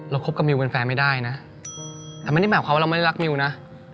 คบกับมิวเป็นแฟนไม่ได้นะแต่ไม่ได้หมายความว่าเราไม่ได้รักมิวนะ